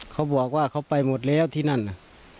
เขาบอกว่าเขาไปหมดแล้วที่นั่นน่ะ